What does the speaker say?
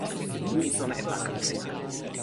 mi sona e pakala sina.